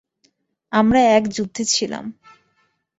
আমরা এক যুদ্ধে ছিলাম।